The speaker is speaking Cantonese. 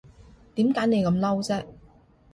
點解你咁嬲啫